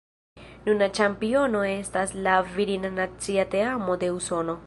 Nuna ĉampiono estas la virina nacia teamo de Usono.